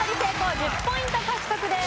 １０ポイント獲得です。